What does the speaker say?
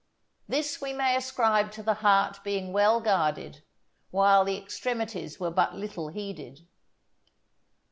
This we may ascribe to the heart being well guarded, while the extremities were but little heeded.